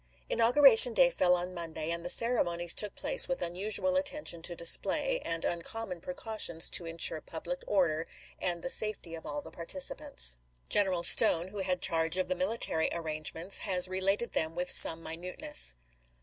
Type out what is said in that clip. Mar. i, 1861. Inauguration Day fell on Monday, and the cere monies took place with unusual attention to display, and uncommon precautions to insure public order and the safety of all the participants. General Stone, who had charge of the military arrange ments, has related them with some minuteness.